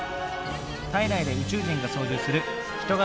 体内で宇宙人が操縦する人型